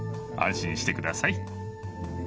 安心して下さい。